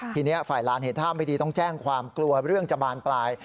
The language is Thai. ทีนี้ฝ่ายลานเห็นท่าไม่ดีต้องแจ้งความกลัวเรื่องจะบานปลาย